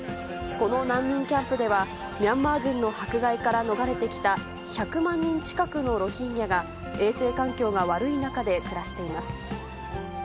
この難民キャンプでは、ミャンマー軍の迫害から逃れてきた１００万人近くのロヒンギャが、衛生環境が悪い中で暮らしています。